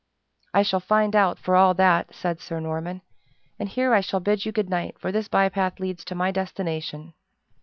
"I shall find out, for all that," said Sir Norman, "and here I shall bid you good night, for this by path leads to my destination."